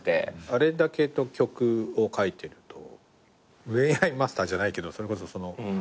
あれだけの曲を書いてると恋愛マスターじゃないけどそれこそパターンをいっぱい。